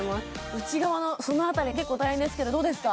内側のその辺り結構大変ですけどどうですか？